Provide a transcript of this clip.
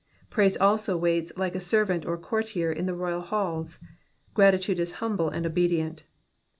Praise also waits like » servant or courtier in the royal halls— gratitude is humble and obedient.